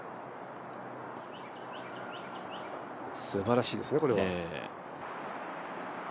すばらしいですねこれは。